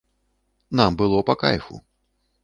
Нам было па кайфу.